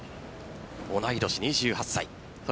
同い年、２８歳。